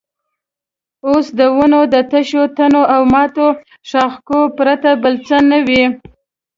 اوس د ونو د تشو تنو او ماتو ښاخلو پرته بل څه نه وو.